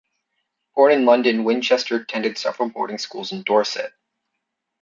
Born in London, Winchester attended several boarding schools in Dorset.